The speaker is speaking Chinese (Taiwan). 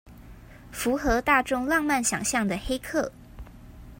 符合大眾浪漫想像的黑客